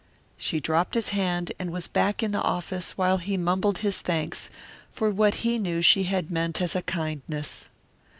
She dropped his hand, and was back in the office while he mumbled his thanks for what he knew she had meant as a kindness.